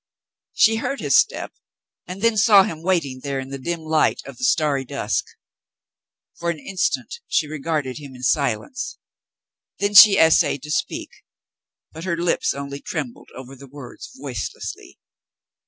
She heard his step and then saw him waiting there in the dim light of the starry dusk. For an instant she re garded him in silence, then she essayed to speak, but her lips only trembled over the words voicelessly.